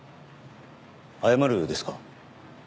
謝るですか？